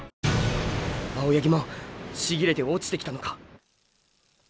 青八木も千切れて落ちてきたのか？